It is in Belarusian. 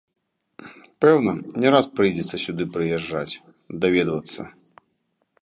Пэўна, не раз прыйдзецца сюды прыязджаць, даведвацца.